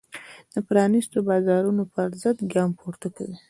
د پرانیستو بازارونو پرضد ګام پورته کوي.